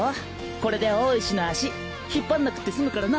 これで大石の足引っ張んなくてすむからな。